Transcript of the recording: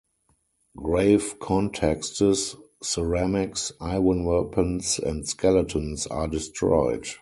Grave contexts, ceramics, iron weapons and skeletons are destroyed.